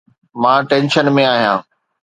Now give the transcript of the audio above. مان ٽينشن ۾ آهيان